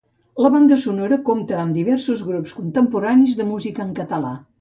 La banda sonora compta amb diversos grups contemporanis de música en català.